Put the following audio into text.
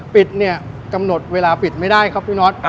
ปิดเนี่ยกำหนดเวลาปิดไม่ได้ครับพี่น็อต